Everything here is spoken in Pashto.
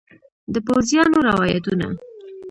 د پوځیانو روایتونه